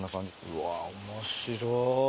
うわ面白い。